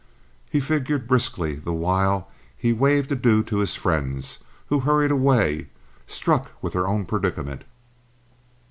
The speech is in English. He figured briskly the while he waved adieu to his friends, who hurried away, struck with their own predicament.